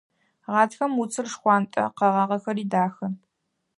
Гъатхэм уцыр шхъуантӀэ, къэгъагъэхэри дахэ.